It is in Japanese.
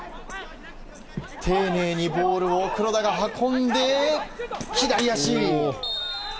丁寧にボールを黒田が運んで左足！